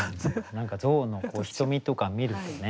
何か象の瞳とか見るとね